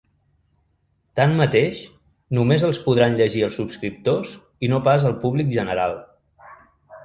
Tanmateix, només els podran llegir els subscriptors i no pas el públic general.